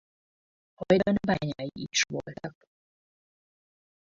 Hajdan bányái is voltak.